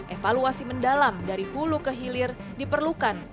evaluasi mendalam dari hulu ke hilir diperlukan